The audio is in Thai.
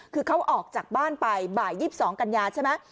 คือเขาออกจากบ้านไปบ่าย๒๒กันยาใช่ไหม